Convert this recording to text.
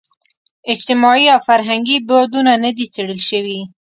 اجتماعي او فرهنګي بعدونه نه دي څېړل شوي.